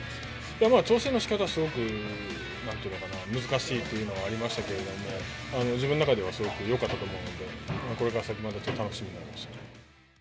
やっぱり調整のしかたはすごく、なんていうのかな、難しいっていうのはありましたけど、自分の中では、すごくよかったと思うんで、これから先、また楽しみになりました。